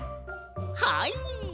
はい。